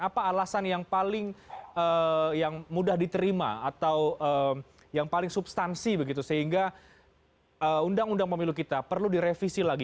apa alasan yang paling yang mudah diterima atau yang paling substansi begitu sehingga undang undang pemilu kita perlu direvisi lagi